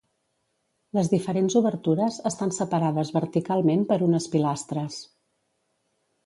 Les diferents obertures estan separades verticalment per unes pilastres.